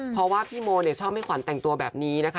เพราะว่าพี่โมชอบให้ขวัญแต่งตัวแบบนี้นะคะ